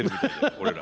俺ら。